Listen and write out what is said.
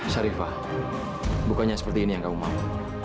syarifah bukannya seperti ini yang kamu mau